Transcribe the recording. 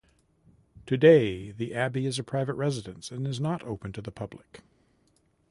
Today the abbey is a private residence and is not open to the public.